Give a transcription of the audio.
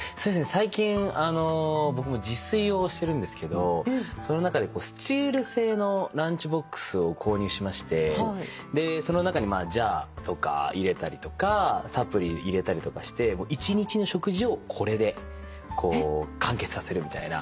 最近あの僕も自炊をしてるんですけどその中でスチール製のランチボックスを購入しましてその中にジャーとか入れたりとかサプリ入れたりとかして１日の食事をこれでこう完結させるみたいな。